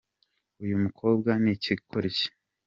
uyumukobwa nikigoryi